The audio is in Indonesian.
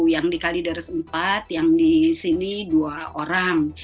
yang di kalidara sempat yang di sini dua orang